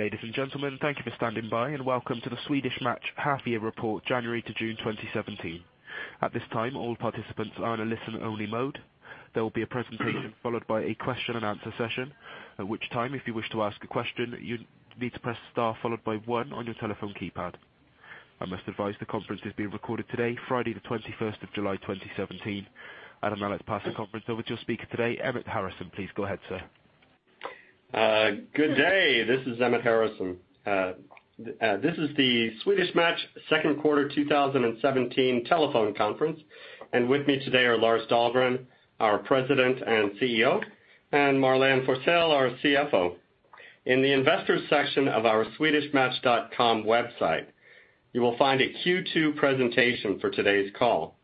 Ladies and gentlemen, thank you for standing by, welcome to the Swedish Match Half Year Report January to June 2017. At this time, all participants are in a listen-only mode. There will be a presentation followed by a question and answer session. At which time, if you wish to ask a question, you need to press star followed by one on your telephone keypad. I must advise the conference is being recorded today, Friday the 21st of July, 2017. I'd now like to pass the conference over to your speaker today, Emmett Harrison. Please go ahead, sir. Good day. This is Emmett Harrison. This is the Swedish Match second quarter 2017 telephone conference, and with me today are Lars Dahlgren, our President and CEO, and Marlene Forsell, our CFO. In the investors section of our swedishmatch.com website, you will find a Q2 presentation for today's call,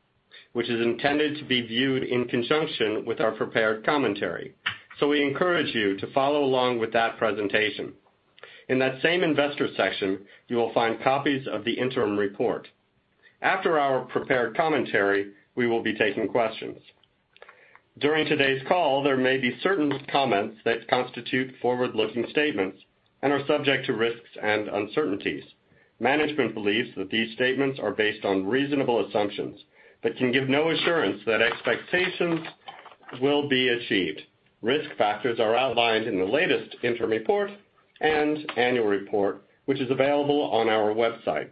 which is intended to be viewed in conjunction with our prepared commentary. We encourage you to follow along with that presentation. In that same investor section, you will find copies of the interim report. After our prepared commentary, we will be taking questions. During today's call, there may be certain comments that constitute forward-looking statements and are subject to risks and uncertainties. Management believes that these statements are based on reasonable assumptions but can give no assurance that expectations will be achieved. Risk factors are outlined in the latest interim report and annual report, which is available on our website.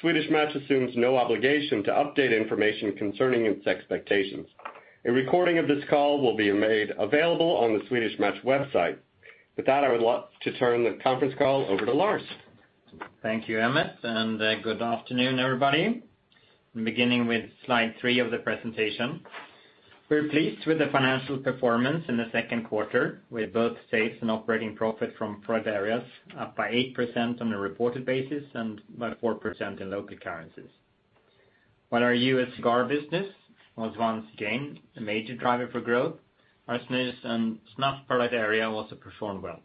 Swedish Match assumes no obligation to update information concerning its expectations. A recording of this call will be made available on the Swedish Match website. With that, I would like to turn the conference call over to Lars. Thank you, Emmett, and good afternoon, everybody. I'm beginning with slide three of the presentation. We're pleased with the financial performance in the second quarter, with both sales and operating profit from product areas up by 8% on a reported basis and by 4% in local currencies. While our U.S. cigar business was once again a major driver for growth, our snus and moist snuff product area also performed well.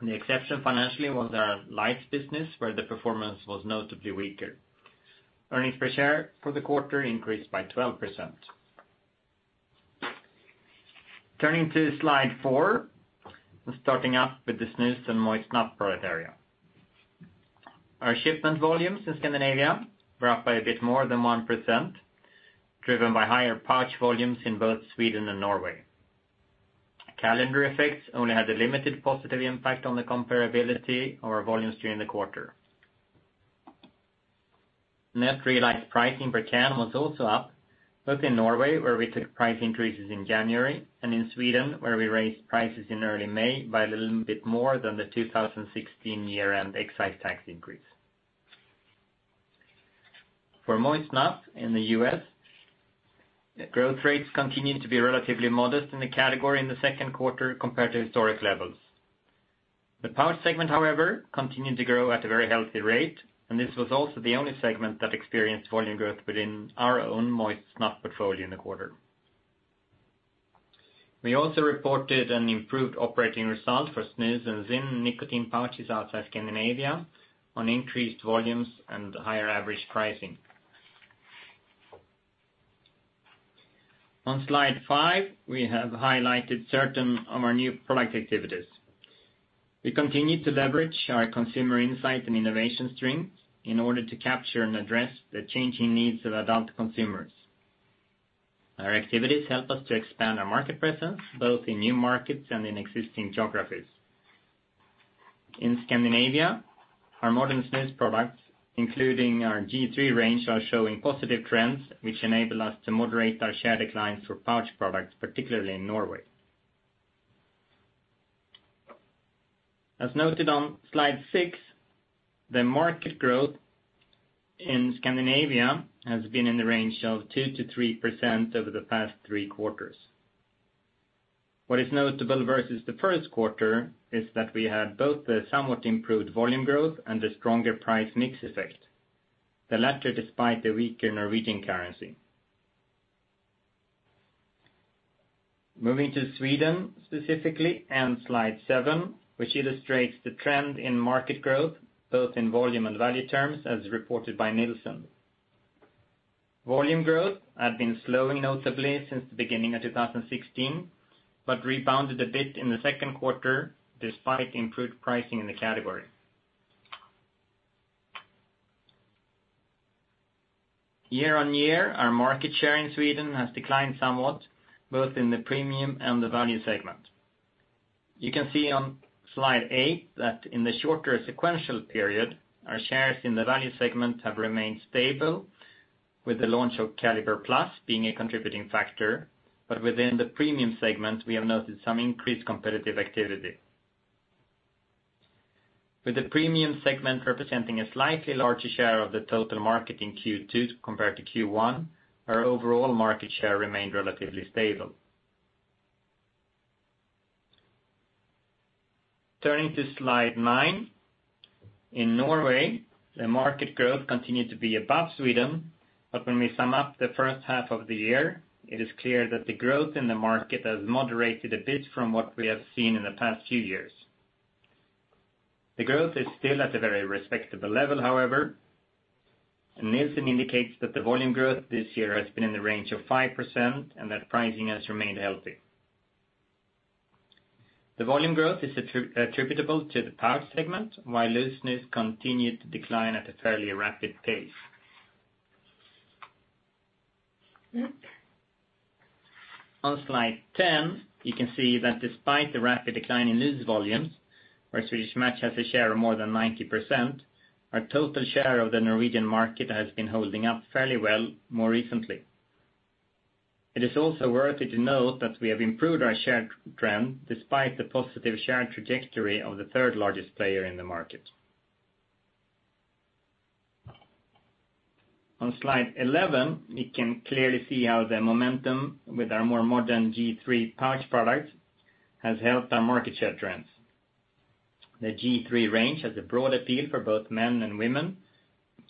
The exception financially was our lights business, where the performance was notably weaker. Earnings per share for the quarter increased by 12%. Turning to slide four, and starting out with the snus and moist snuff product area. Our shipment volumes in Scandinavia were up by a bit more than 1%, driven by higher pouch volumes in both Sweden and Norway. Calendar effects only had a limited positive impact on the comparability of our volumes during the quarter. Net realized pricing per can was also up, both in Norway, where we took price increases in January, and in Sweden, where we raised prices in early May by a little bit more than the 2016 year-end excise tax increase. For moist snuff in the U.S., growth rates continued to be relatively modest in the category in the 2Q compared to historic levels. The pouch segment, however, continued to grow at a very healthy rate, this was also the only segment that experienced volume growth within our own moist snuff portfolio in the quarter. We also reported an improved operating result for snus and ZYN nicotine pouches outside Scandinavia on increased volumes and higher average pricing. On slide 5, we have highlighted certain of our new product activities. We continue to leverage our consumer insight and innovation strength in order to capture and address the changing needs of adult consumers. Our activities help us to expand our market presence both in new markets and in existing geographies. In Scandinavia, our modern snus products, including our G.3 range, are showing positive trends, which enable us to moderate our share declines for pouch products, particularly in Norway. As noted on Slide 6, the market growth in Scandinavia has been in the range of 2%-3% over the past three quarters. What is notable versus the first quarter is that we had both the somewhat improved volume growth and the stronger price mix effect, the latter despite the weaker Norwegian currency. Moving to Sweden specifically and Slide 7, which illustrates the trend in market growth both in volume and value terms as reported by Nielsen. Volume growth had been slowing notably since the beginning of 2016 but rebounded a bit in the 2Q despite improved pricing in the category. Year-over-year, our market share in Sweden has declined somewhat, both in the premium and the value segment. You can see on Slide 8 that in the shorter sequential period, our shares in the value segment have remained stable, with the launch of Kaliber+ being a contributing factor. Within the premium segment, we have noted some increased competitive activity. With the premium segment representing a slightly larger share of the total market in Q2 compared to Q1, our overall market share remained relatively stable. Turning to Slide 9. In Norway, the market growth continued to be above Sweden, but when we sum up the first half of the year, it is clear that the growth in the market has moderated a bit from what we have seen in the past few years. The growth is still at a very respectable level, however. Nielsen indicates that the volume growth this year has been in the range of 5%, and that pricing has remained healthy. The volume growth is attributable to the pouch segment, while loose snus continued to decline at a fairly rapid pace. On slide 10, you can see that despite the rapid decline in loose volumes, where Swedish Match has a share of more than 90%, our total share of the Norwegian market has been holding up fairly well more recently. It is also worthy to note that we have improved our share trend despite the positive share trajectory of the third largest player in the market. On slide 11, we can clearly see how the momentum with our more modern G.3 pouch product has helped our market share trends. The G.3 range has a broad appeal for both men and women,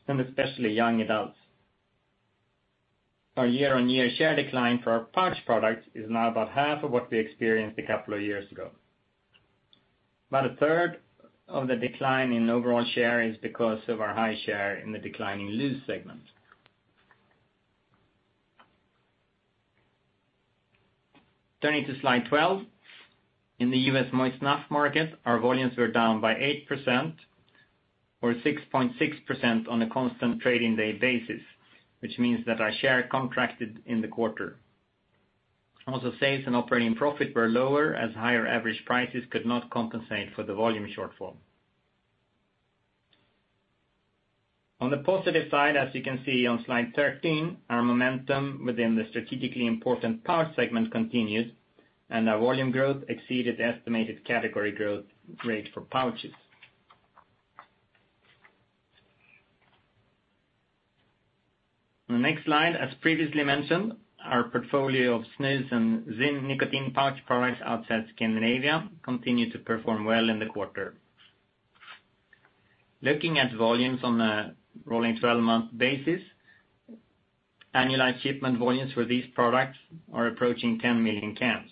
and especially young adults. Our year-on-year share decline for our pouch products is now about half of what we experienced a couple of years ago. About a third of the decline in overall share is because of our high share in the declining loose segment. Turning to slide 12. In the U.S. moist snuff market, our volumes were down by 8%, or 6.6% on a constant trading day basis, which means that our share contracted in the quarter. Sales and operating profit were lower as higher average prices could not compensate for the volume shortfall. On the positive side, as you can see on slide 13, our momentum within the strategically important pouch segment continues, and our volume growth exceeded the estimated category growth rate for pouches. On the next slide, as previously mentioned, our portfolio of snus and ZYN nicotine pouch products outside Scandinavia continued to perform well in the quarter. Looking at volumes on a rolling 12-month basis, annualized shipment volumes for these products are approaching 10 million cans.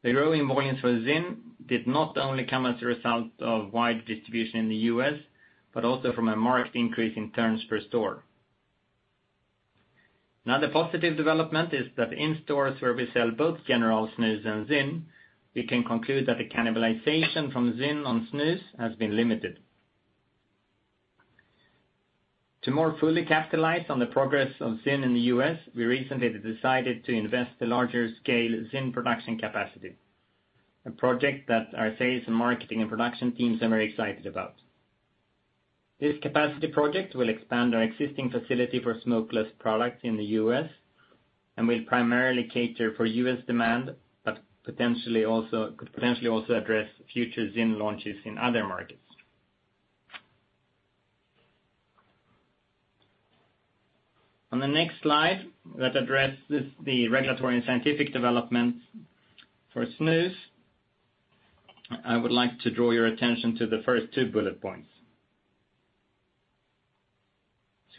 The growing volumes for ZYN did not only come as a result of wide distribution in the U.S., but also from a marked increase in turns per store. Another positive development is that in stores where we sell both General snus and ZYN, we can conclude that the cannibalization from ZYN on snus has been limited. To more fully capitalize on the progress of ZYN in the U.S., we recently decided to invest the larger scale ZYN production capacity, a project that our sales and marketing and production teams are very excited about. This capacity project will expand our existing facility for smokeless products in the U.S. and will primarily cater for U.S. demand, but could potentially also address future ZYN launches in other markets. On the next slide that addresses the regulatory and scientific developments for snus, I would like to draw your attention to the first two bullet points.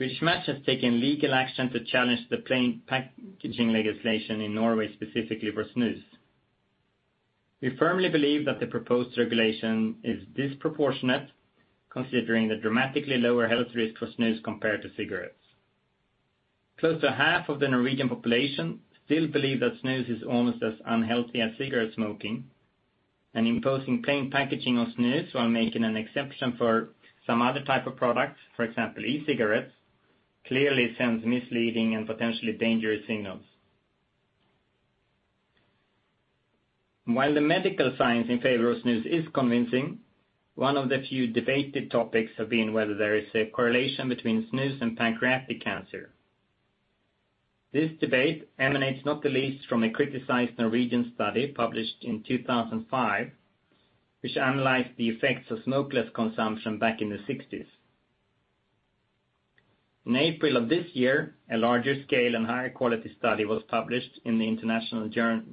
Swedish Match has taken legal action to challenge the plain packaging legislation in Norway, specifically for snus. We firmly believe that the proposed regulation is disproportionate considering the dramatically lower health risk for snus compared to cigarettes. Close to half of the Norwegian population still believe that snus is almost as unhealthy as cigarette smoking, and imposing plain packaging on snus while making an exception for some other type of products, for example, e-cigarettes, clearly sends misleading and potentially dangerous signals. While the medical science in favor of snus is convincing, one of the few debated topics have been whether there is a correlation between snus and pancreatic cancer. This debate emanates not the least from a criticized Norwegian study published in 2005, which analyzed the effects of smokeless consumption back in the '60s. In April of this year, a larger scale and higher quality study was published in the "International Journal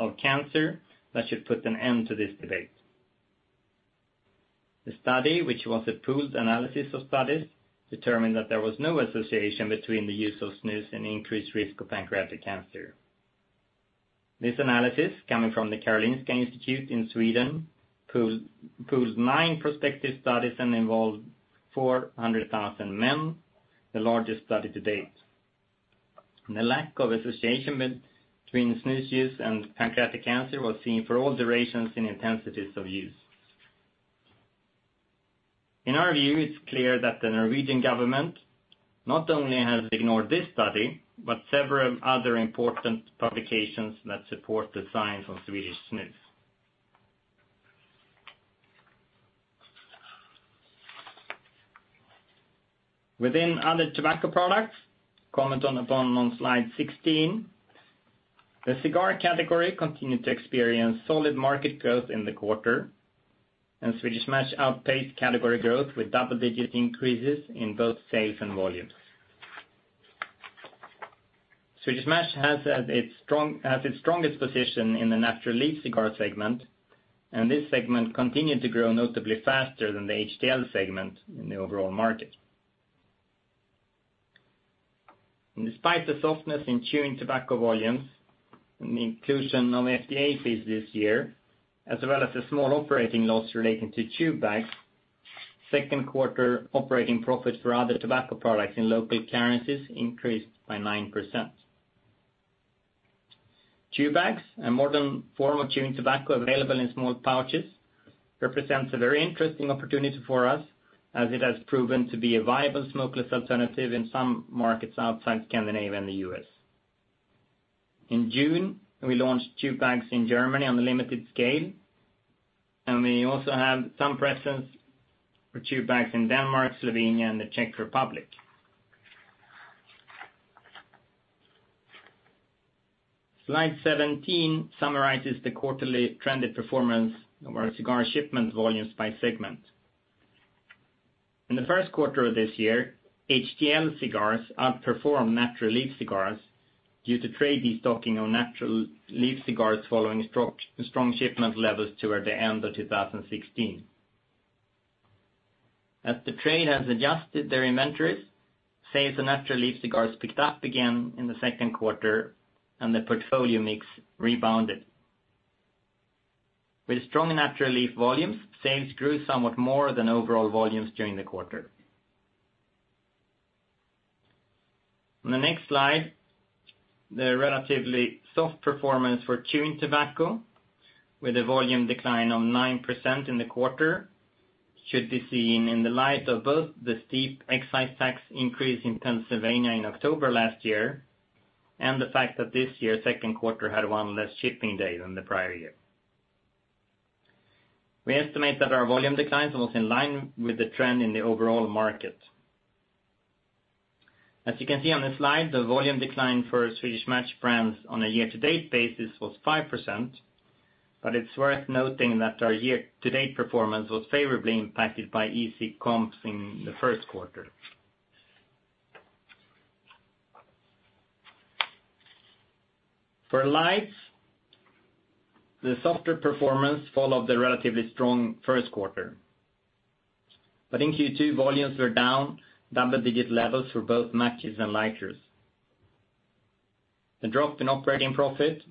of Cancer" that should put an end to this debate. The study, which was a pooled analysis of studies, determined that there was no association between the use of snus and increased risk of pancreatic cancer. This analysis, coming from the Karolinska Institutet in Sweden, pooled nine prospective studies and involved 400,000 men, the largest study to date. The lack of association between snus use and pancreatic cancer was seen for all durations and intensities of use. In our view, it is clear that the Norwegian government not only has ignored this study, but several other important publications that support the science of Swedish snus. Within other tobacco products commented upon on slide 16, the cigar category continued to experience solid market growth in the quarter, and Swedish Match outpaced category growth with double-digit increases in both sales and volumes. Swedish Match has its strongest position in the natural leaf cigar segment, this segment continued to grow notably faster than the HTL segment in the overall market. Despite the softness in chewing tobacco volumes and the inclusion of FDA fees this year, as well as the small operating loss relating to chew bags, second quarter operating profit for other tobacco products in local currencies increased by 9%. Chew bags, a modern form of chewing tobacco available in small pouches, represents a very interesting opportunity for us as it has proven to be a viable smokeless alternative in some markets outside Scandinavia and the U.S. In June, we launched chew bags in Germany on a limited scale, and we also have some presence for chew bags in Denmark, Slovenia and the Czech Republic. Slide 17 summarizes the quarterly trended performance of our cigar shipment volumes by segment. In the first quarter of this year, HTL cigars outperformed natural leaf cigars due to trade destocking of natural leaf cigars following strong shipment levels toward the end of 2016. As the trade has adjusted their inventories, sales of natural leaf cigars picked up again in the second quarter and the portfolio mix rebounded. With strong natural leaf volumes, sales grew somewhat more than overall volumes during the quarter. On the next slide, the relatively soft performance for chewing tobacco with a volume decline of 9% in the quarter should be seen in the light of both the steep excise tax increase in Pennsylvania in October last year, and the fact that this year's second quarter had one less shipping day than the prior year. We estimate that our volume decline was in line with the trend in the overall market. As you can see on the slide, the volume decline for Swedish Match brands on a year-to-date basis was 5%, but it is worth noting that our year-to-date performance was favorably impacted by easy comps in the first quarter. For lights, the softer performance followed the relatively strong first quarter. In Q2, volumes were down double-digit levels for both matches and lighters. The drop in operating profit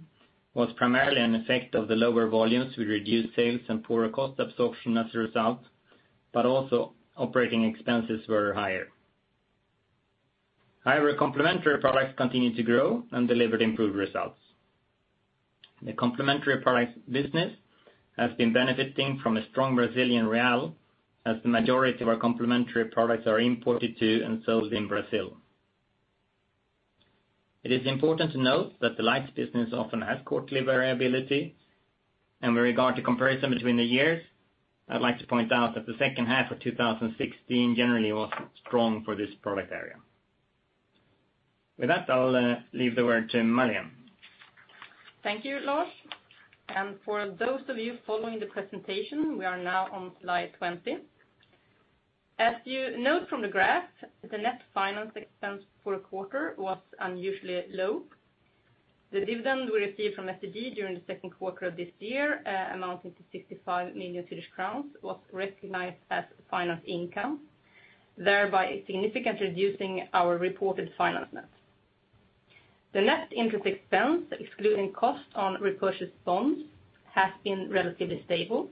was primarily an effect of the lower volumes with reduced sales and poorer cost absorption as a result, but also operating expenses were higher. However, complementary products continued to grow and delivered improved results. The complementary products business has been benefiting from a strong Brazilian real, as the majority of our complementary products are imported to and sold in Brazil. It is important to note that the lights business often has quarterly variability, and with regard to comparison between the years, I'd like to point out that the second half of 2016 generally was strong for this product area. With that, I'll leave the word to Marlene. Thank you, Lars. For those of you following the presentation, we are now on slide 20. As you note from the graph, the net finance expense for a quarter was unusually low. The dividend we received from STG during the second quarter of this year, amounting to 65 million Swedish crowns, was recognized as finance income, thereby significantly reducing our reported finance net. The net interest expense, excluding cost on repurchased bonds, has been relatively stable.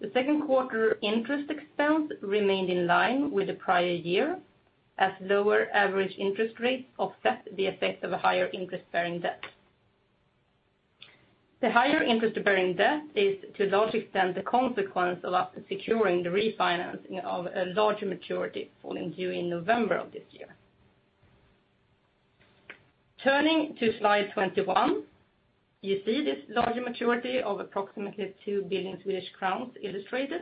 The second quarter interest expense remained in line with the prior year, as lower average interest rates offset the effect of a higher interest-bearing debt. The higher interest-bearing debt is to a large extent the consequence of us securing the refinancing of a larger maturity falling due in November of this year. Turning to slide 21, you see this larger maturity of approximately 2 billion Swedish crowns illustrated.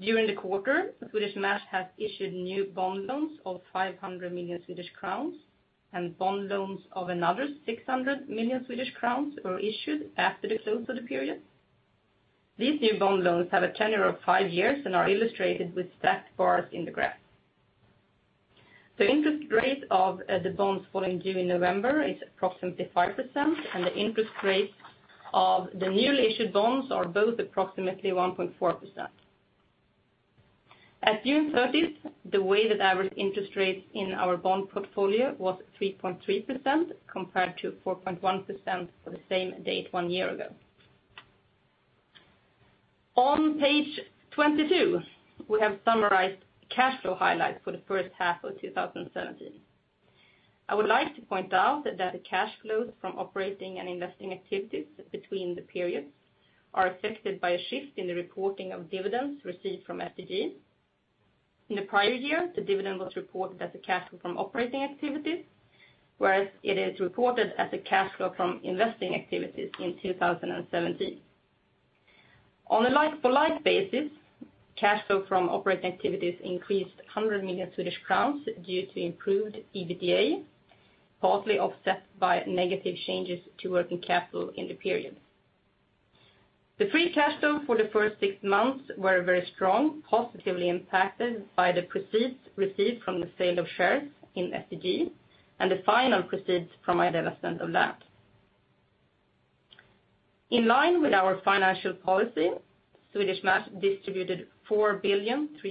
During the quarter, Swedish Match has issued new bond loans of 500 million Swedish crowns, and bond loans of another 600 million Swedish crowns were issued after the close of the period. These new bond loans have a tenure of five years and are illustrated with stacked bars in the graph. The interest rate of the bonds falling due in November is approximately 5%, and the interest rates of the newly issued bonds are both approximately 1.4%. At June 30th, the weighted average interest rates in our bond portfolio was 3.3% compared to 4.1% for the same date one year ago. On page 22, we have summarized cash flow highlights for the first half of 2017. I would like to point out that the cash flows from operating and investing activities between the periods are affected by a shift in the reporting of dividends received from STG. In the prior year, the dividend was reported as a cash flow from operating activities, whereas it is reported as a cash flow from investing activities in 2017. On a like-for-like basis, cash flow from operating activities increased 100 million Swedish crowns due to improved EBITDA, partly offset by negative changes to working capital in the period. The free cash flow for the first six months were very strong, positively impacted by the proceeds received from the sale of shares in STG and the final proceeds from our divestment of LAP. In line with our financial policy, Swedish Match distributed 4.3 billion to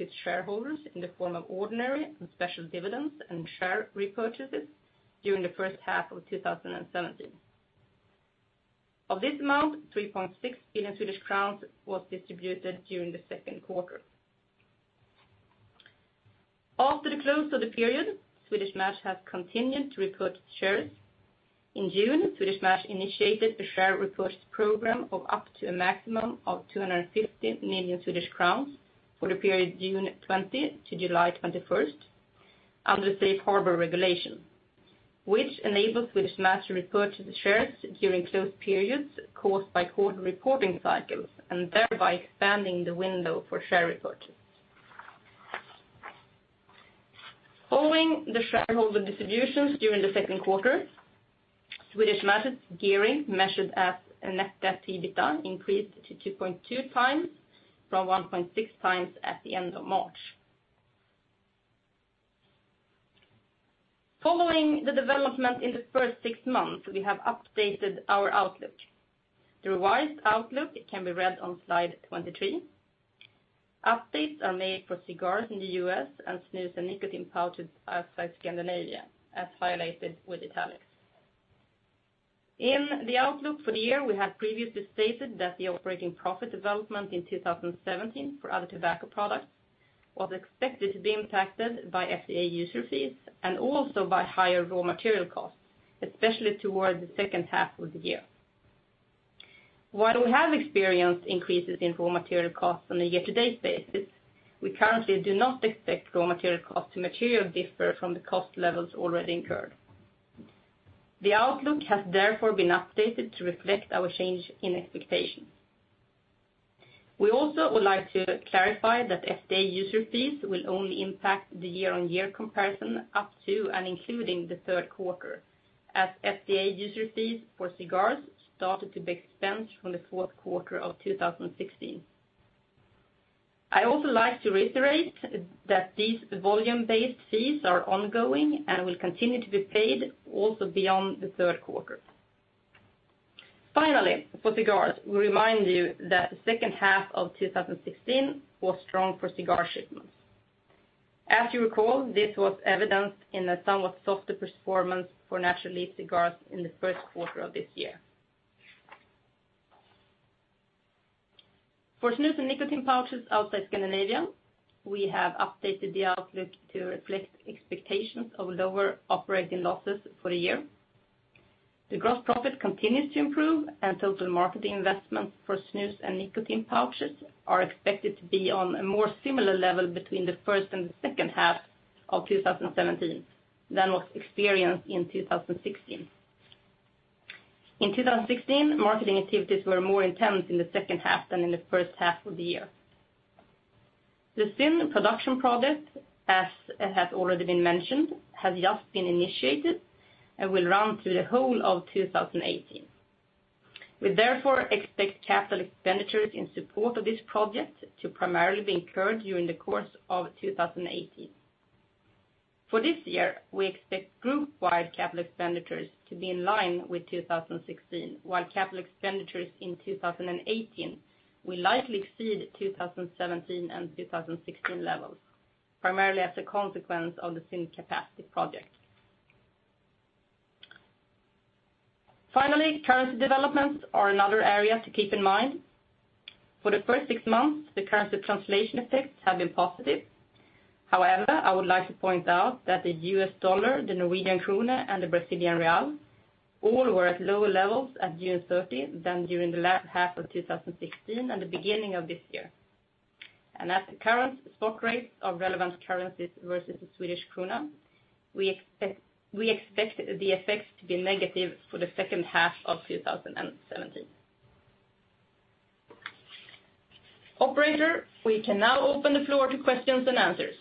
its shareholders in the form of ordinary and special dividends and share repurchases during the first half of 2017. Of this amount, 3.6 billion Swedish crowns was distributed during the second quarter. After the close of the period, Swedish Match has continued to repurchase shares. In June, Swedish Match initiated a share repurchase program of up to a maximum of 250 million Swedish crowns for the period June 20 to July 21 under the Safe Harbour Regulation, which enables Swedish Match to repurchase the shares during closed periods caused by quarter reporting cycles, thereby expanding the window for share repurchases. Following the shareholder distributions during the second quarter, Swedish Match's gearing measured at net debt to EBITDA increased to 2.2 times from 1.6 times at the end of March. Following the development in the first six months, we have updated our outlook. The revised outlook can be read on slide 23. Updates are made for cigars in the U.S. and snus and nicotine pouches outside Scandinavia, as highlighted with italics. In the outlook for the year, we have previously stated that the operating profit development in 2017 for other tobacco products was expected to be impacted by FDA user fees and also by higher raw material costs, especially towards the second half of the year. While we have experienced increases in raw material costs on a year-to-date basis, we currently do not expect raw material costs to materially differ from the cost levels already incurred. The outlook has therefore been updated to reflect our change in expectations. We also would like to clarify that FDA user fees will only impact the year-on-year comparison up to and including the third quarter as FDA user fees for cigars started to be expensed from the fourth quarter of 2016. I also like to reiterate that these volume-based fees are ongoing and will continue to be paid also beyond the third quarter. Finally, for cigars, we remind you that the second half of 2016 was strong for cigar shipments. As you recall, this was evidenced in a somewhat softer performance for natural leaf cigars in the first quarter of this year. For snus and nicotine pouches outside Scandinavia, we have updated the outlook to reflect expectations of lower operating losses for the year. The gross profit continues to improve and total marketing investments for snus and nicotine pouches are expected to be on a more similar level between the first and the second half of 2017 than was experienced in 2016. In 2016, marketing activities were more intense in the second half than in the first half of the year. The ZYN production project, as has already been mentioned, has just been initiated and will run through the whole of 2018. We therefore expect capital expenditures in support of this project to primarily be incurred during the course of 2018. For this year, we expect group-wide capital expenditures to be in line with 2016, while capital expenditures in 2018 will likely exceed 2017 and 2016 levels, primarily as a consequence of the ZYN capacity project. Finally, currency developments are another area to keep in mind. For the first six months, the currency translation effects have been positive. However, I would like to point out that the U.S. dollar, the Norwegian krone, and the Brazilian real all were at lower levels at June 30 than during the latter half of 2016 and the beginning of this year. At the current spot rates of relevant currencies versus the Swedish krona, we expect the effects to be negative for the second half of 2017. Operator, we can now open the floor to questions and answers.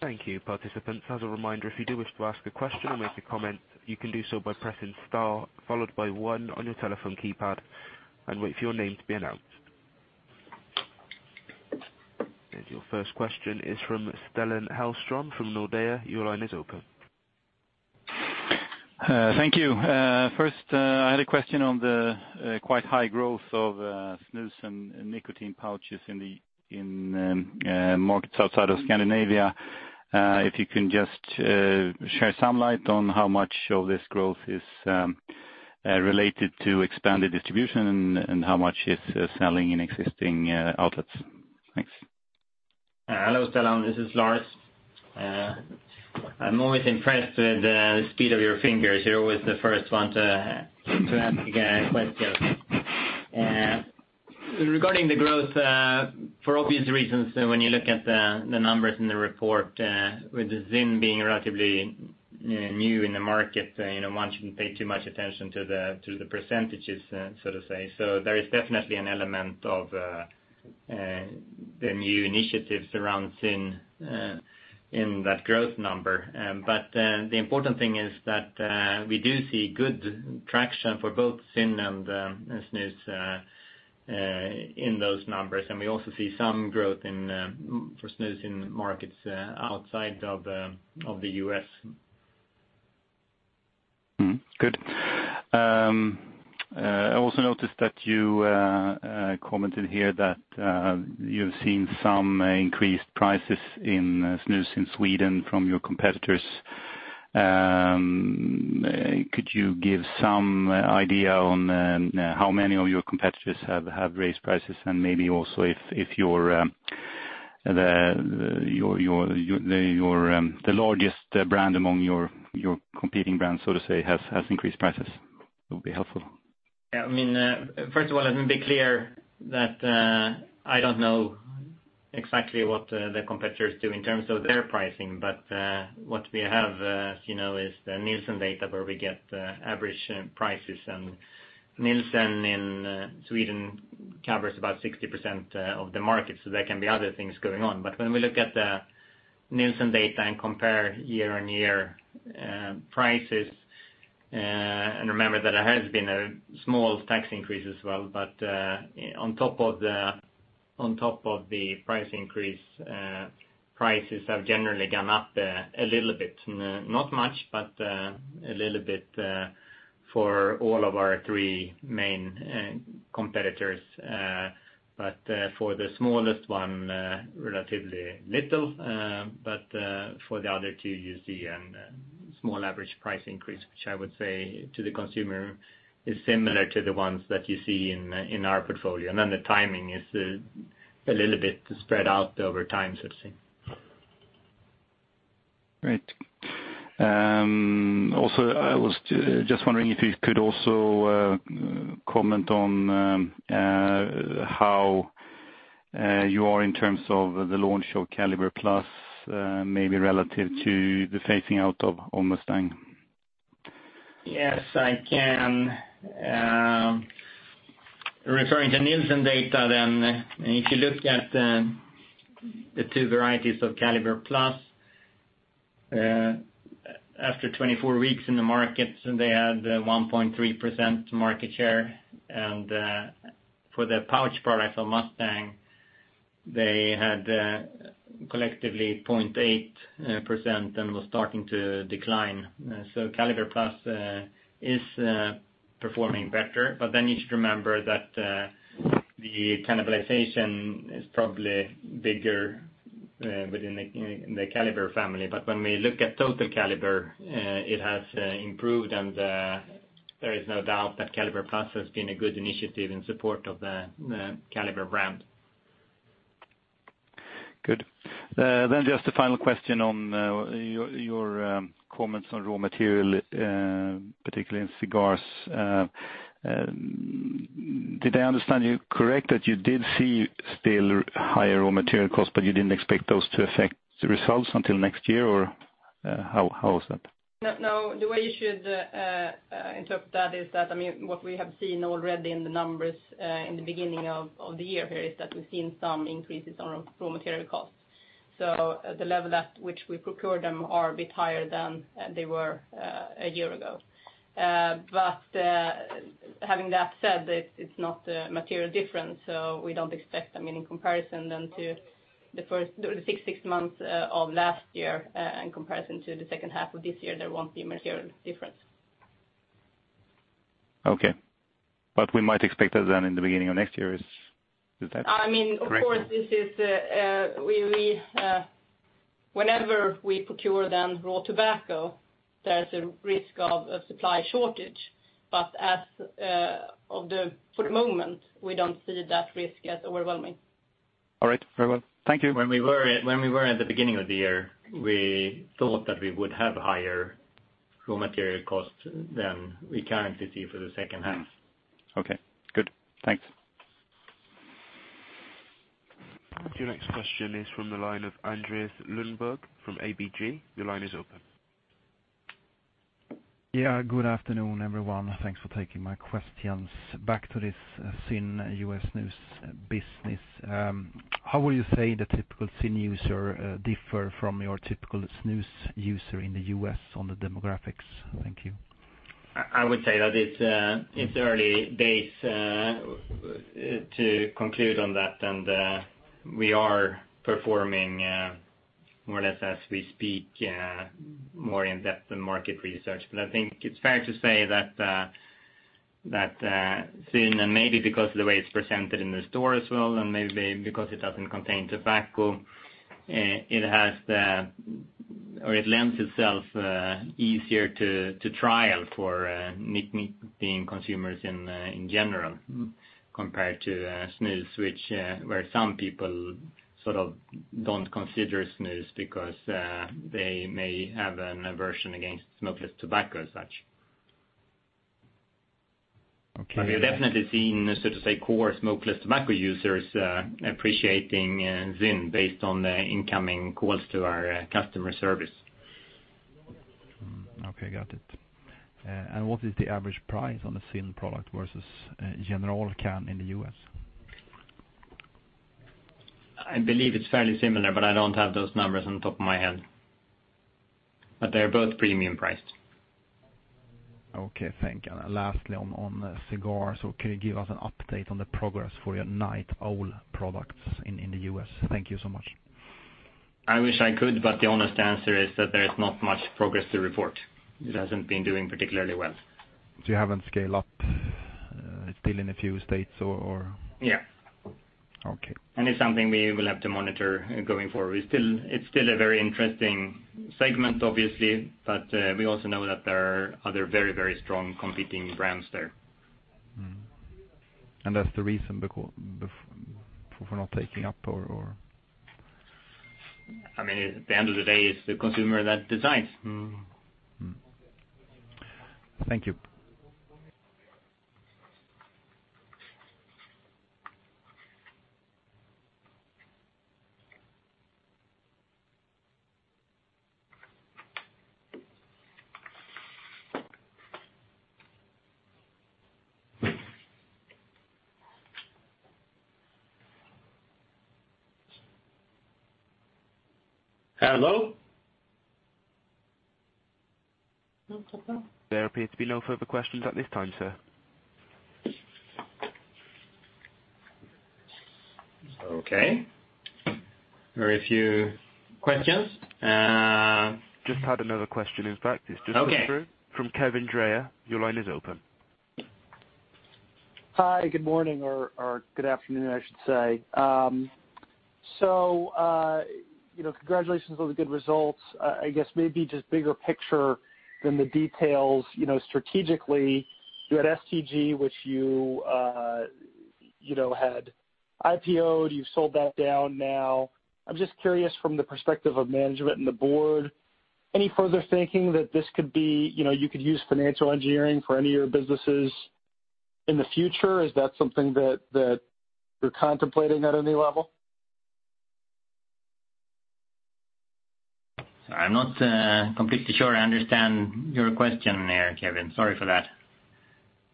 Thank you, participants. As a reminder, if you do wish to ask a question or make a comment, you can do so by pressing star followed by one on your telephone keypad and wait for your name to be announced. Your first question is from Stellan Hellström from Nordea. Your line is open. Thank you. First, I had a question on the quite high growth of snus and nicotine pouches in markets outside of Scandinavia. If you can just share some light on how much of this growth is related to expanded distribution and how much is selling in existing outlets. Thanks. Hello, Stellan. This is Lars. I am always impressed with the speed of your fingers. You are always the first one to ask a question. Regarding the growth, for obvious reasons, when you look at the numbers in the report, with ZYN being relatively new in the market, one shouldn't pay too much attention to the percentages, so to say. There is definitely an element of the new initiatives around ZYN in that growth number. The important thing is that we do see good traction for both ZYN and snus in those numbers. We also see some growth for snus in markets outside of the U.S. Good. I also noticed that you commented here that you've seen some increased prices in snus in Sweden from your competitors. Could you give some idea on how many of your competitors have raised prices and maybe also if the largest brand among your competing brands, so to say, has increased prices? It will be helpful. Yeah. First of all, let me be clear that I don't know exactly what the competitors do in terms of their pricing. What we have, as you know, is the Nielsen data where we get average prices, and Nielsen in Sweden covers about 60% of the market, there can be other things going on. When we look at the Nielsen data and compare year-on-year prices, and remember that there has been a small tax increase as well, on top of the price increase, prices have generally gone up a little bit. Not much, but a little bit for all of our three main competitors. For the smallest one, relatively little, but for the other two, you see a small average price increase, which I would say to the consumer is similar to the ones that you see in our portfolio. The timing is a little bit spread out over time, so to say. Great. Also, I was just wondering if you could also comment on how you are in terms of the launch of Kaliber+, maybe relative to the phasing out of Mustang. Yes, I can. Referring to Nielsen data, if you look at the two varieties of Kaliber+, after 24 weeks in the market, they had 1.3% market share. For the pouch product of Mustang, they had collectively 0.8% and was starting to decline. Kaliber+ is performing better. You should remember that the cannibalization is probably bigger within the Kaliber family. When we look at total Kaliber, it has improved, and there is no doubt that Kaliber+ has been a good initiative in support of the Kaliber brand. Good. Just a final question on your comments on raw material, particularly in cigars. Did I understand you correct that you did see still higher raw material costs, but you didn't expect those to affect the results until next year? Or how was that? No, the way you should interpret that is that what we have seen already in the numbers in the beginning of the year here, is that we've seen some increases on raw material costs. The level at which we procure them are a bit higher than they were a year ago. Having that said, it's not a material difference, so we don't expect them in comparison then to the first six months of last year and comparison to the second half of this year, there won't be a material difference. Okay. We might expect that in the beginning of next year. Is that correct? Whenever we procure then raw tobacco, there's a risk of a supply shortage. For the moment, we don't see that risk as overwhelming. All right. Very well. Thank you. When we were at the beginning of the year, we thought that we would have higher raw material costs than we currently see for the second half. Okay, good. Thanks. Your next question is from the line of Andreas Lundberg from ABG. Your line is open. Yeah, good afternoon, everyone. Thanks for taking my questions. Back to this ZYN U.S. snus business. How will you say the typical ZYN user differ from your typical snus user in the U.S. on the demographics? Thank you. I would say that it's early days to conclude on that. We are performing more or less as we speak, more in-depth in market research. I think it's fair to say that ZYN, and maybe because of the way it's presented in the store as well, and maybe because it doesn't contain tobacco, it lends itself easier to trial for nicotine consumers in general compared to snus, where some people sort of don't consider snus because they may have an aversion against smokeless tobacco as such. Okay. We've definitely seen, so to say, core smokeless tobacco users appreciating ZYN based on the incoming calls to our customer service. Okay, got it. What is the average price on a ZYN product versus General can in the U.S.? I believe it's fairly similar, I don't have those numbers on top of my head. They're both premium priced. Okay, thank you. Lastly, on cigars, can you give us an update on the progress for your Night Owl products in the U.S.? Thank you so much. I wish I could, but the honest answer is that there is not much progress to report. It hasn't been doing particularly well. You haven't scaled up. It's still in a few states or? Yeah. Okay. It's something we will have to monitor going forward. It's still a very interesting segment, obviously, but we also know that there are other very strong competing brands there. That's the reason for not taking up or? At the end of the day, it's the consumer that decides. Thank you. Hello? There appear to be no further questions at this time, sir. Okay. Very few questions. Just had another question, in fact. Okay come through from Kevin Dreyer. Your line is open. Hi, good morning or good afternoon, I should say. Congratulations on the good results. I guess maybe just bigger picture than the details, strategically, you had STG, which you had IPO'd. You've sold that down now. I'm just curious from the perspective of management and the board, any further thinking that you could use financial engineering for any of your businesses in the future? Is that something that you're contemplating at any level? Sorry, I'm not completely sure I understand your question there, Kevin. Sorry for that.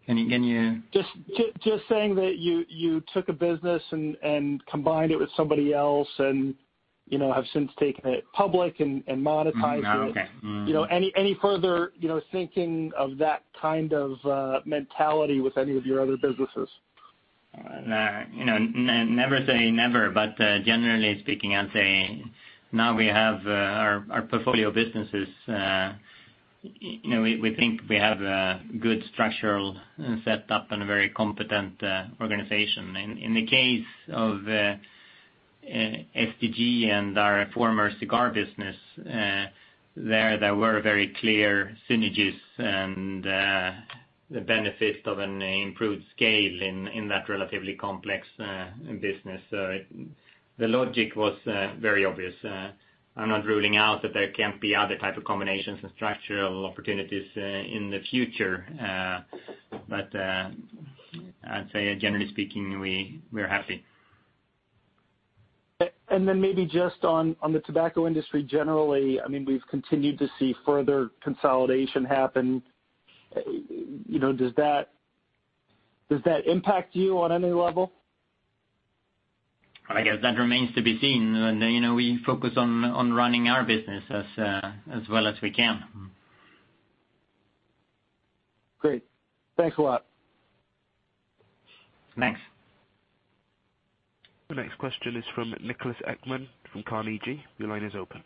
Can you. Just saying that you took a business and combined it with somebody else and have since taken it public and monetized it. Okay. Mm. Any further thinking of that kind of mentality with any of your other businesses? Never say never, generally speaking, I'd say now we have our portfolio of businesses. We think we have a good structural set up and a very competent organization. In the case of STG and our former cigar business, there were very clear synergies and the benefits of an improved scale in that relatively complex business. The logic was very obvious. I'm not ruling out that there can't be other type of combinations and structural opportunities in the future. I'd say generally speaking, we're happy. Maybe just on the tobacco industry generally, we've continued to see further consolidation happen. Does that impact you on any level? I guess that remains to be seen. We focus on running our business as well as we can. Great. Thanks a lot. Thanks. The next question is from Niklas Ekman from Carnegie. Your line is open.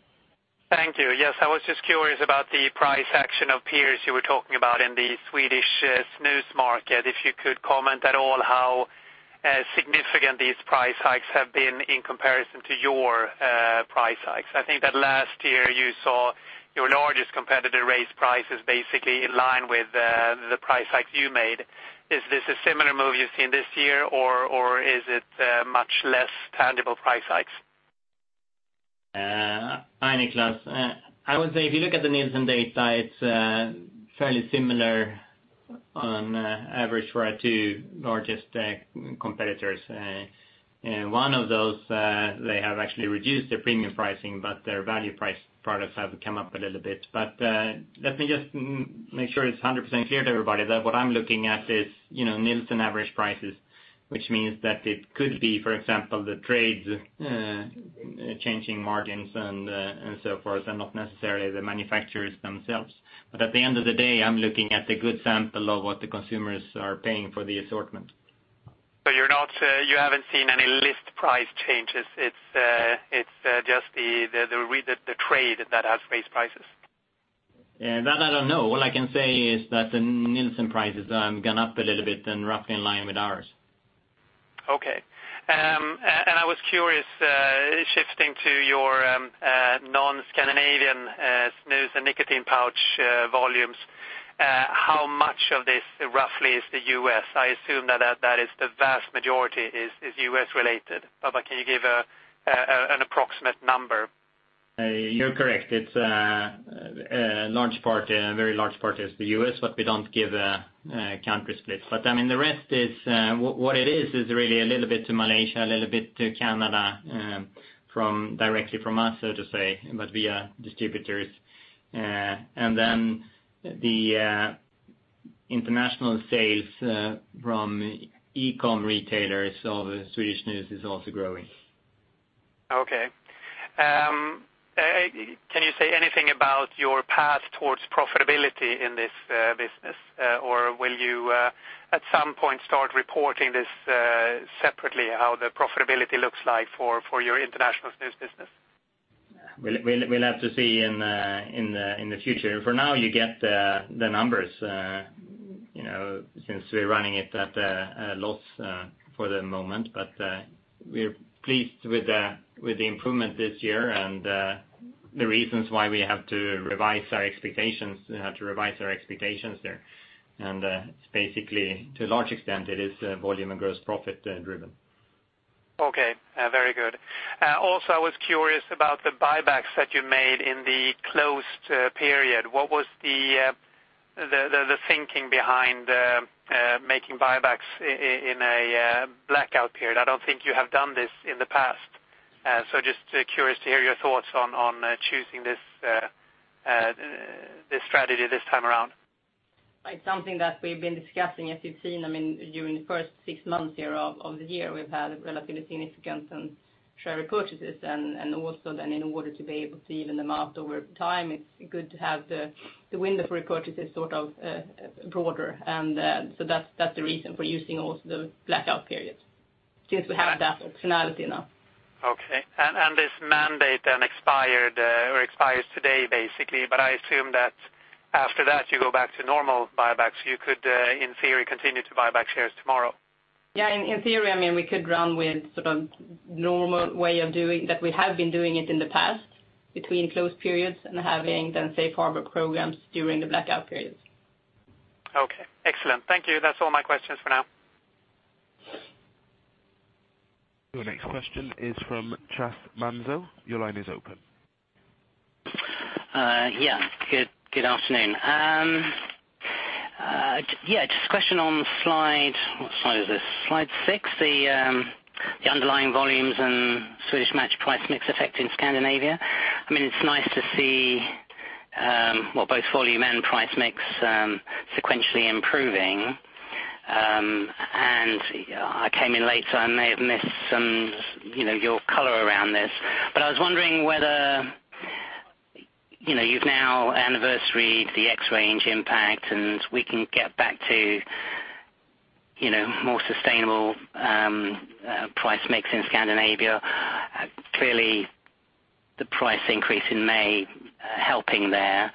Thank you. Yes, I was just curious about the price action of peers you were talking about in the Swedish snus market. If you could comment at all how significant these price hikes have been in comparison to your price hikes. I think that last year you saw your largest competitor raise prices basically in line with the price hikes you made. Is this a similar move you've seen this year or is it much less tangible price hikes? Hi, Niklas. I would say if you look at the Nielsen data, it's fairly similar on average for our two largest competitors. One of those they have actually reduced their premium pricing, but their value price products have come up a little bit. Let me just make sure it's 100% clear to everybody that what I'm looking at is Nielsen average prices, which means that it could be, for example, the trades changing margins and so forth, and not necessarily the manufacturers themselves. At the end of the day, I'm looking at a good sample of what the consumers are paying for the assortment. You haven't seen any list price changes. It's just the trade that has raised prices. That I don't know. All I can say is that the Nielsen prices have gone up a little bit and roughly in line with ours. Okay. I was curious, shifting to your non-Scandinavian snus and nicotine pouch volumes, how much of this roughly is the U.S.? I assume that the vast majority is U.S. related. Can you give an approximate number? You're correct. A very large part is the U.S., we don't give a country split. The rest is, what it is is really a little bit to Malaysia, a little bit to Canada, directly from us, so to say, but via distributors. The International sales from e-com retailers of Swedish snus is also growing. Can you say anything about your path towards profitability in this business? Will you at some point start reporting this separately, how the profitability looks like for your international snus business? We'll have to see in the future. For now, you get the numbers since we're running it at a loss for the moment. We're pleased with the improvement this year and the reasons why we have to revise our expectations there. It's basically, to a large extent, it is volume and gross profit driven. Very good. Also, I was curious about the buybacks that you made in the closed period. What was the thinking behind making buybacks in a blackout period? I don't think you have done this in the past. Just curious to hear your thoughts on choosing this strategy this time around. It's something that we've been discussing. As you've seen, during the first six months here of the year, we've had relatively significant share repurchases. Also then in order to be able to even them out over time, it's good to have the window for repurchases broader. So that's the reason for using also the blackout period, since we have that functionality now. Okay. This mandate then expired or expires today, basically. I assume that after that, you go back to normal buybacks. You could, in theory, continue to buy back shares tomorrow. Yeah, in theory, we could run with sort of normal way of doing, that we have been doing it in the past, between closed periods and having then Safe Harbour programs during the blackout periods. Okay. Excellent. Thank you. That's all my questions for now. Your next question is from Chas Manso. Your line is open. Good afternoon. Just a question on slide, what slide is this? Slide six, the underlying volumes and Swedish Match price/mix effect in Scandinavia. It is nice to see both volume and price mix sequentially improving. I came in late, so I may have missed some your color around this, but I was wondering whether you have now anniversaried the XRANGE impact and we can get back to more sustainable price mix in Scandinavia. Clearly, the price increase in May helping there.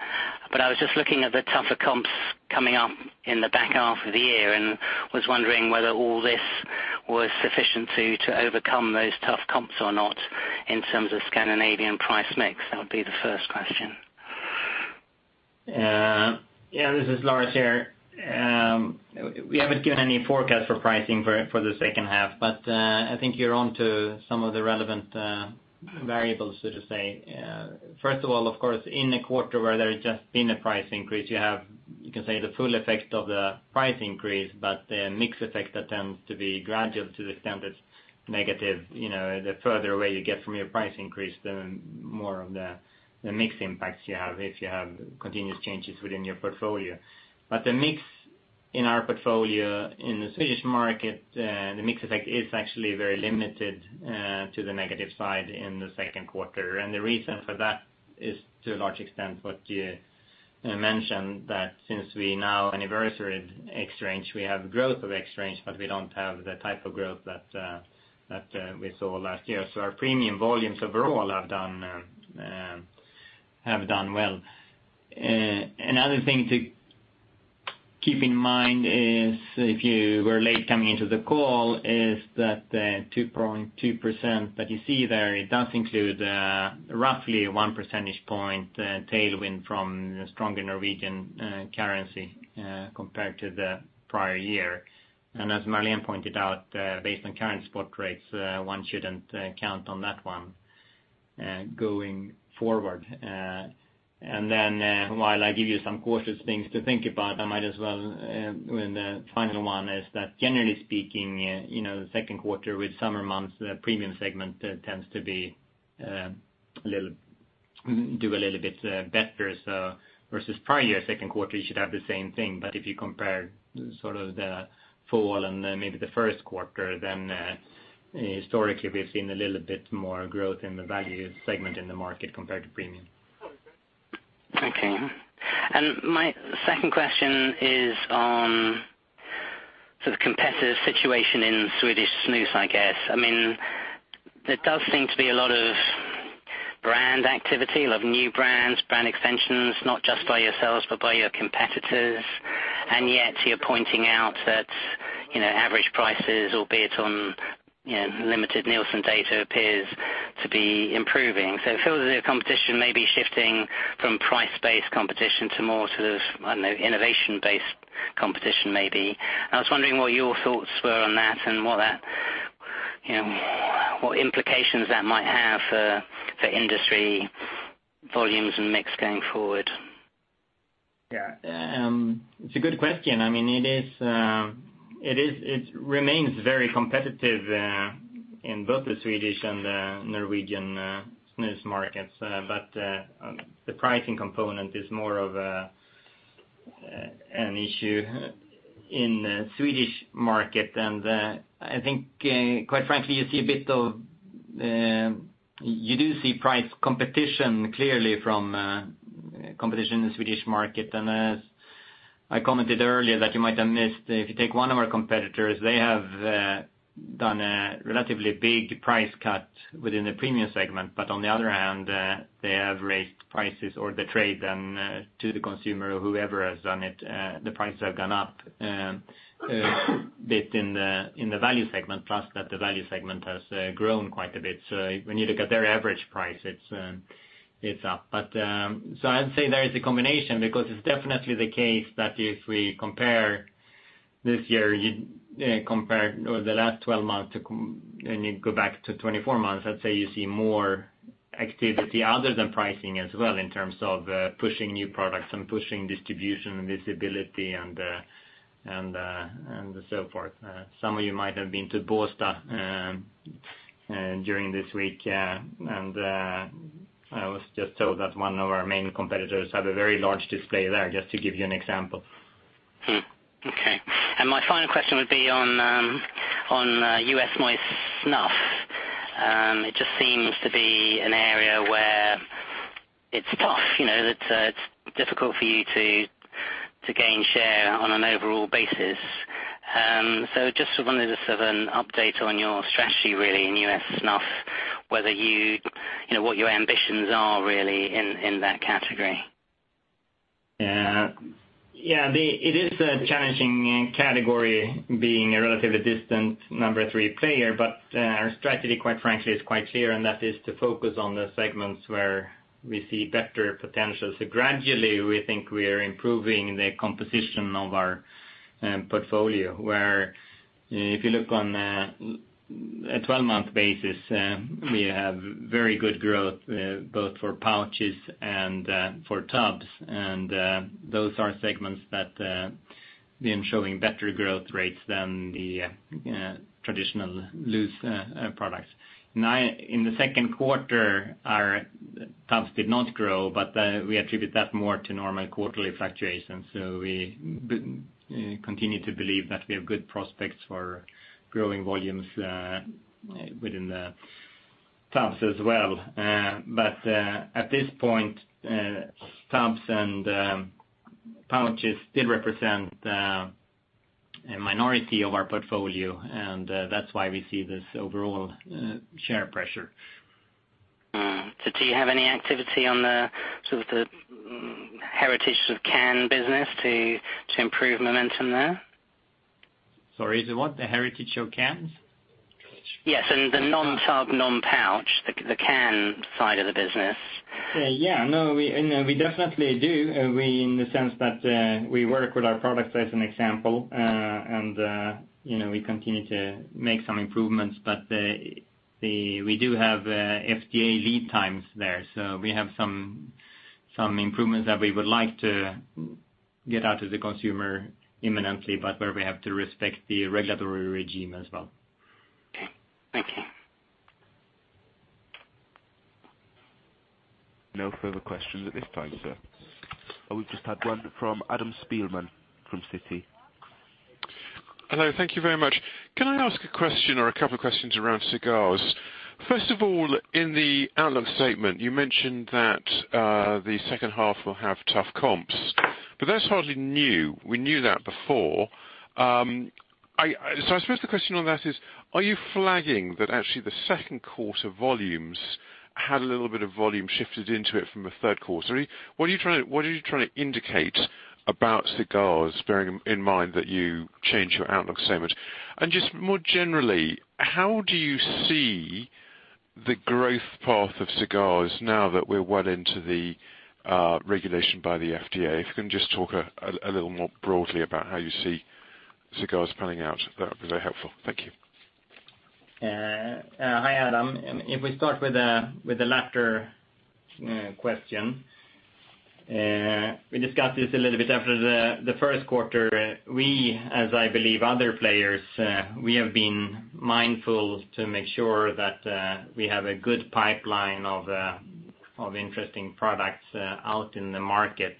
I was just looking at the tougher comps coming up in the back half of the year and was wondering whether all this was sufficient to overcome those tough comps or not in terms of Scandinavian price mix. That would be the first question. This is Lars here. We have not given any forecast for pricing for the second half, but I think you are onto some of the relevant variables, so to say. First of all, of course, in a quarter where there has just been a price increase, you have the full effect of the price increase, but the mix effect that tends to be gradual to the extent it is negative. The further away you get from your price increase, the more of the mix impacts you have if you have continuous changes within your portfolio. The mix in our portfolio in the Swedish market, the mix effect is actually very limited to the negative side in the second quarter. The reason for that is to a large extent what you mentioned, that since we now anniversaried XRANGE, we have growth of XRANGE, but we do not have the type of growth that we saw last year. Our premium volumes overall have done well. Another thing to keep in mind is, if you were late coming into the call, is that the 2.2% that you see there, it does include roughly a one percentage point tailwind from stronger Norwegian currency compared to the prior year. As Marlene pointed out, based on current spot rates, one should not count on that one going forward. Then while I give you some cautious things to think about, I might as well end with the final one is that generally speaking, the second quarter with summer months, the premium segment tends to do a little bit better. versus prior year second quarter, you should have the same thing. If you compare the fall and maybe the first quarter, historically we've seen a little bit more growth in the value segment in the market compared to premium. Okay. My second question is on the competitive situation in Swedish snus, I guess. There does seem to be a lot of brand activity, a lot of new brands, brand extensions, not just by yourselves, but by your competitors. Yet you're pointing out that average prices, albeit on limited Nielsen data, appears to be improving. It feels as if competition may be shifting from price-based competition to more innovation-based competition maybe. I was wondering what your thoughts were on that and what implications that might have for industry volumes and mix going forward. Yeah. It's a good question. It remains very competitive in both the Swedish and the Norwegian snus markets. The pricing component is more of an issue in the Swedish market. I think, quite frankly, you do see price competition clearly from competition in the Swedish market. As I commented earlier that you might have missed, if you take one of our competitors, they have done a relatively big price cut within the premium segment. On the other hand, they have raised prices or the trade then to the consumer, whoever has done it, the prices have gone up a bit in the value segment. Plus that the value segment has grown quite a bit. When you look at their average price, it's up. I'd say there is a combination because it's definitely the case that if we compare this year, or the last 12 months, and you go back to 24 months, let's say you see more activity other than pricing as well in terms of pushing new products and pushing distribution and visibility and so forth. Some of you might have been to Båstad during this week, and I was just told that one of our main competitors had a very large display there, just to give you an example. My final question would be on U.S. moist snuff. It just seems to be an area where it's tough. It's difficult for you to gain share on an overall basis. Just wondering, as of an update on your strategy really in U.S. snuff, what your ambitions are really in that category. Yeah. It is a challenging category, being a relatively distant number 3 player. Our strategy, quite frankly, is quite clear, and that is to focus on the segments where we see better potential. Gradually, we think we are improving the composition of our portfolio. Where if you look on a 12-month basis, we have very good growth both for pouches and for tubs. Those are segments that been showing better growth rates than the traditional loose products. In the second quarter, our tubs did not grow, but we attribute that more to normal quarterly fluctuations. We continue to believe that we have good prospects for growing volumes within the tubs as well. At this point, tubs and pouches still represent a minority of our portfolio, and that's why we see this overall share pressure. Do you have any activity on the heritage of can business to improve momentum there? Sorry, say it again, the heritage of cans? Yes. In the non-tub, non-pouch, the can side of the business. Yeah. We definitely do in the sense that we work with our products as an example, and we continue to make some improvements, but we do have FDA lead times there. We have some improvements that we would like to get out to the consumer imminently, but where we have to respect the regulatory regime as well. Okay. Thank you. No further questions at this time, sir. Oh, we've just had one from Adam Spielman from Citi. Hello. Thank you very much. Can I ask a question or a couple questions around cigars? First of all, in the outlook statement, you mentioned that the second half will have tough comps. That's hardly new. We knew that before. I suppose the question on that is, are you flagging that actually the second quarter volumes had a little bit of volume shifted into it from the third quarter? What are you trying to indicate about cigars, bearing in mind that you changed your outlook statement? Just more generally, how do you see the growth path of cigars now that we're well into the regulation by the FDA? If you can just talk a little more broadly about how you see cigars panning out, that would be very helpful. Thank you. Hi, Adam. If we start with the latter question, we discussed this a little bit after the first quarter. We, as I believe other players, have been mindful to make sure that we have a good pipeline of interesting products out in the market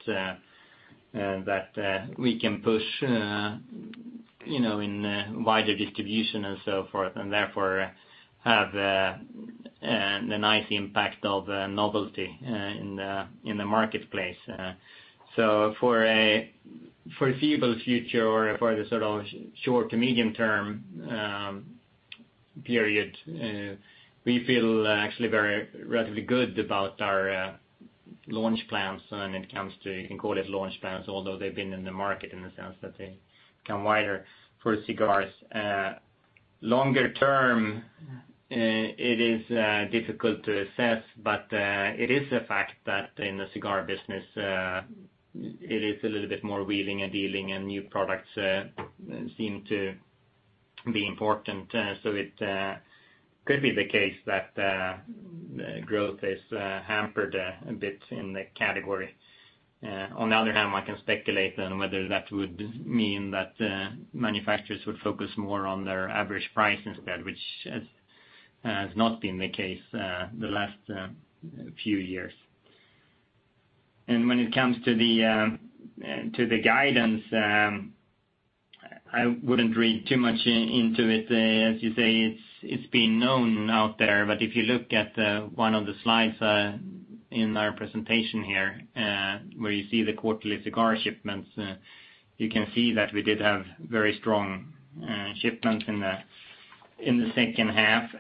that we can push in wider distribution and so forth, and therefore have the nice impact of novelty in the marketplace. For the foreseeable future or for the sort of short to medium-term period, we feel actually very relatively good about our launch plans when it comes to, you can call it launch plans, although they've been in the market in the sense that they become wider for cigars. Longer term, it is difficult to assess. It is a fact that in the cigar business, it is a little bit more wheeling and dealing and new products seem to be important. It could be the case that growth is hampered a bit in the category. On the other hand, one can speculate on whether that would mean that manufacturers would focus more on their average price instead, which has not been the case the last few years. When it comes to the guidance, I wouldn't read too much into it. As you say, it's been known out there. If you look at one of the slides in our presentation here, where you see the quarterly cigar shipments, you can see that we did have very strong shipments in the second half.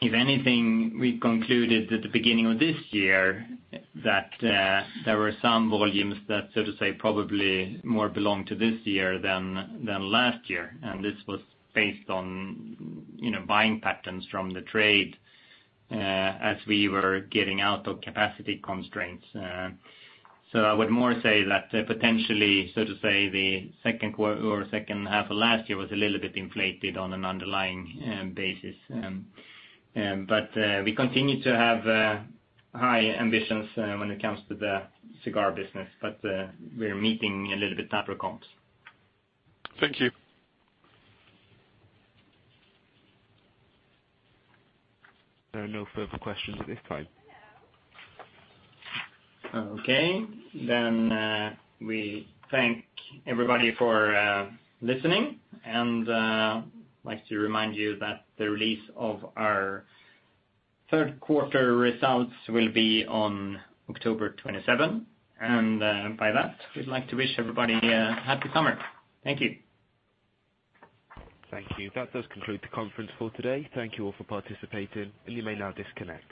If anything, we concluded at the beginning of this year that there were some volumes that, so to say, probably more belong to this year than last year. This was based on buying patterns from the trade as we were getting out of capacity constraints. I would more say that potentially, so to say, the second quarter or second half of last year was a little bit inflated on an underlying basis. We continue to have high ambitions when it comes to the cigar business. We're meeting a little bit tougher comps. Thank you. There are no further questions at this time. Okay. We thank everybody for listening, and like to remind you that the release of our third quarter results will be on October 27. By that, we'd like to wish everybody a happy summer. Thank you. Thank you. That does conclude the conference for today. Thank you all for participating, and you may now disconnect.